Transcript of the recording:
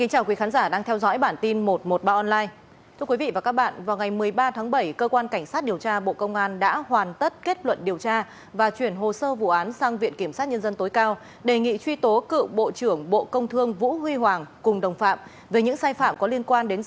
hãy đăng ký kênh để ủng hộ kênh của chúng mình nhé